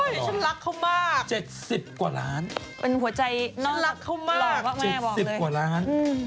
ฉันรักเขามากเจ็ดสิบกว่าล้านฉันรักเขามากเจ็ดสิบกว่าล้าน